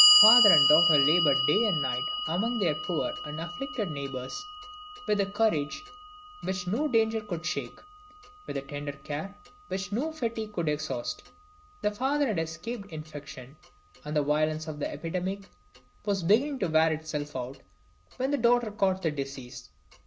Father and daughter labored day and night among their poor and afflicted neighbors, with a courage which no danger could shake, with a tender care which no fatigue could exhaust. The father had escaped infection, and the violence of the epidemic was beginning to wear itself out, when the daughter caught the disease.